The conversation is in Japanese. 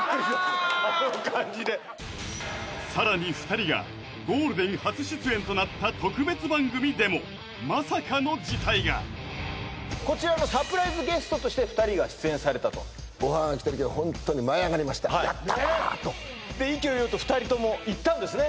あの感じでさらに２人がゴールデン初出演となった特別番組でもまさかの事態がこちらのサプライズゲストとして２人が出演されたとホントに「やったな！」とで意気揚々と２人とも行ったんですね